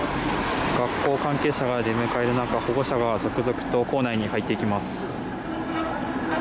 学校関係者が出迎える中保護者が続々と校内に入っていきます。